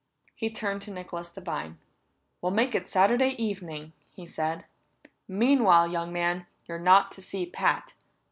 He turned to Nicholas Devine. "We'll make it Saturday evening," he said. "Meanwhile, young man, you're not to see Pat.